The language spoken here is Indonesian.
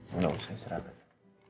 enggak usah serah